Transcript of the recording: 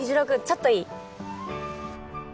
ちょっといい？